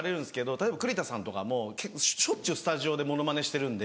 例えば栗田さんとかもしょっちゅうスタジオでモノマネしてるんで。